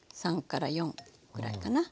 ３から４ぐらいかな。